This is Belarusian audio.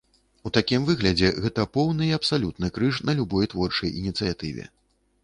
У такім выглядзе гэта поўны і абсалютны крыж на любой творчай ініцыятыве.